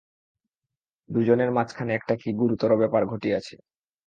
দুজনের মাঝখানে একটা কী গুরুতর ব্যাপার ঘটিয়াছে।